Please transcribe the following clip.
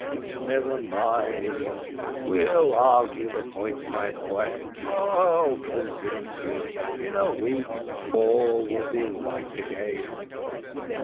Never mind, we'll argue the point, my boy I'll convince you in a week all will be right again."